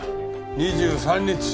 ２３日。